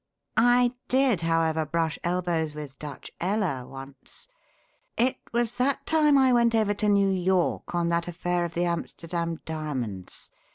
I did, however, brush elbows with Dutch Ella once. It was that time I went over to New York on that affair of the Amsterdam diamonds.